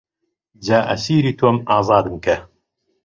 جا ئەسیری تۆم ئازادم کە